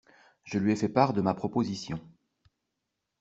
Je lui ai fait part de ma proposition.